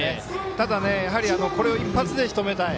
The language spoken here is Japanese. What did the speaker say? ただ、一発でしとめたい。